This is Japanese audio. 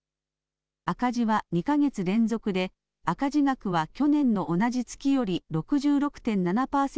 赤字は２か月連続で赤字額は去年の同じ月より６６．７％